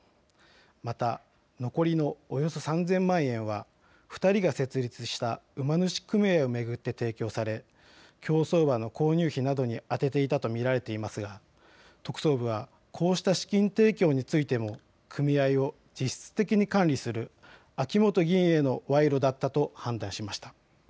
また残りのおよそ３０００万円は２人が設立した馬主組合を巡って提供され競争馬の購入費などに充てていたと見られていますが特捜部はこうした資金提供についても組合を実質的に管理する秋本議員への賄賂だったと判断しました。